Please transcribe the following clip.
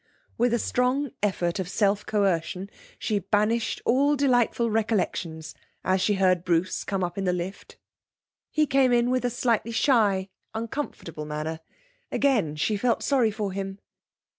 With a strong effort of self coercion she banished all delightful recollections as she heard Bruce come up in the lift. He came in with a slightly shy, uncomfortable manner. Again, she felt sorry for him.